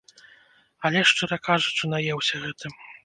Але, шчыра кажучы, наеўся гэтым.